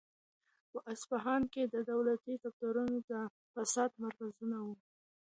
په اصفهان کې دولتي دفترونه د فساد مرکزونه وو.